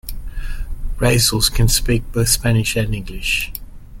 Raizals can speak both Spanish and English.